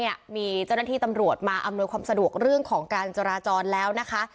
มีเจ้าหน้าที่ตำรวจมาอำนวยความสะดวกเรื่องของการจราจรแล้วนะคะ